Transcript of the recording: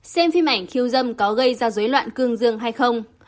xem phim ảnh khiêu dâm có gây ra dối loạn cương dương hay không